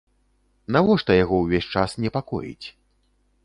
Навошта яго ўвесь час непакоіць?